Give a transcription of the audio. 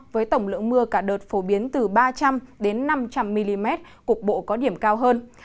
với tổng lượng mưa cả đợt phổ biến từ ba trăm linh năm trăm linh mm cục bộ có điểm cao hơn